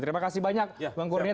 terima kasih banyak bang kurnia